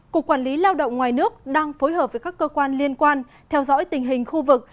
cục quản lý lao động ngoài nước đang phối hợp với các cơ quan liên quan theo dõi tình hình khu vực